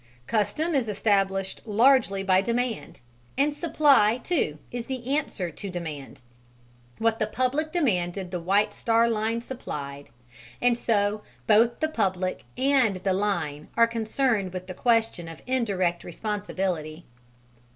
Custom is established largely by demand, and supply too is the answer to demand. What the public demanded the White Star Line supplied, and so both the public and the Line are concerned with the question of indirect responsibility.